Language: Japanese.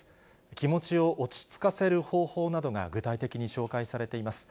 気持ちを落ち着かせる方法などが具体的に紹介されています。